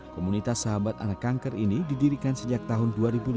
komunitas sahabat anak kanker ini didirikan sejak tahun dua ribu lima belas